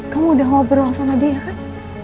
kamu udah ngobrol sama dia kan